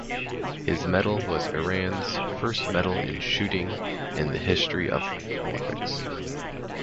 His medal was Iran’s first medal in Shooting in the history of Olympics.